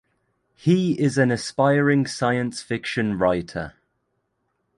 He is an aspiring science fiction writer.